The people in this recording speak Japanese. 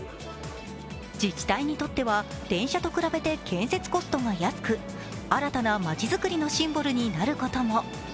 自治体にとっては電車と比べて建設コストが安く新たな街づくりのシンボルになることも。